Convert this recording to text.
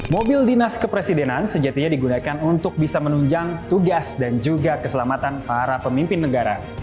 mobil dinas kepresidenan sejatinya digunakan untuk bisa menunjang tugas dan juga keselamatan para pemimpin negara